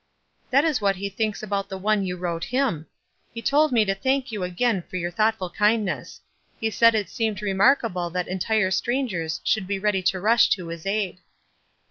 "That is what he thinks about the one you wrote him. He told me to thank you again for your thoughtful kindness. He said it seemed remarkable that entire strangers should be ready to rush to his aid."